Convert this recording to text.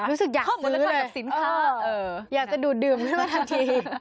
รู้สึกอยากซื้อเลยอยากจะดูดดื่มขึ้นมาทันทีความเหมือนกับสินค้า